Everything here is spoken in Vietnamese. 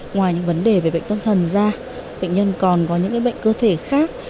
ngoài những vấn đề về bệnh tâm thần da bệnh nhân còn có những bệnh cơ thể khác